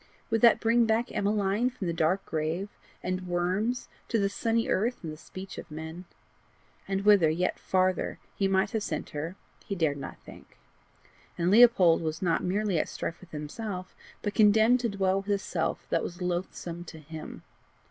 would that bring back Emmeline from the dark grave and the worms to the sunny earth and the speech of men? And whither, yet farther, he might have sent her, she dared not think. And Leopold was not merely at strife with himself, but condemned to dwell with a self that was loathsome to him.